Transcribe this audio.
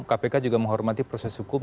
kpk juga menghormati proses hukum